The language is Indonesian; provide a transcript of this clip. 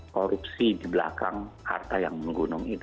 korupsi di belakang harta yang menggunung itu